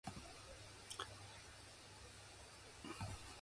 It is adjacent to the East Perth Terminal and Public Transport Centre.